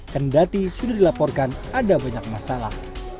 kendati sudah dilaporkan ada banyak masalah